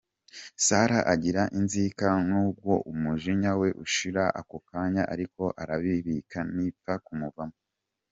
Sarah agira inzika nubwo umujinya we ushira ako kanya ariko arabibika ntibipfa kumuvamo.